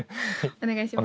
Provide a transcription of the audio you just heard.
お願いします。